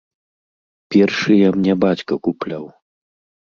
Першыя мне бацька купляў.